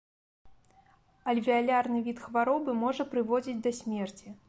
Альвеалярны від хваробы можа прыводзіць да смерці.